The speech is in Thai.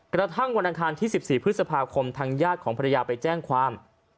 กระทั่งวันอังคารที่๑๔พฤษภาคมทางญาติของภรรยาไปแจ้งความ